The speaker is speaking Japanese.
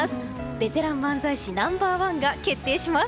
ベテラン漫才師ナンバー１が決定します。